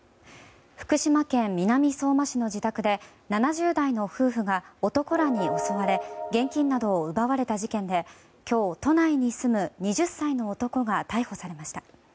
福島県南相馬市の自宅で７０代の夫婦が男らに襲われ現金などを奪われた事件で今日、都内に住む２０歳の男が逮捕されました。